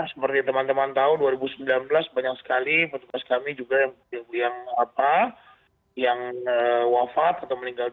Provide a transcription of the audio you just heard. seperti teman teman tahu dua ribu sembilan belas banyak sekali petugas kami juga yang wafat atau meninggal